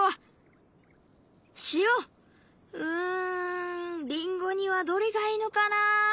うんりんごにはどれがいいのかな？